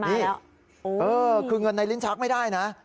นี่คือเงินในลิ้นชักไม่ได้นะ